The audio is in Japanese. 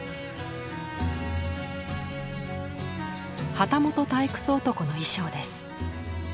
「旗本退屈男」の衣装です。